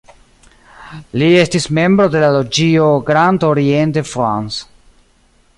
Li estis membro de la loĝio "Grand Orient de France".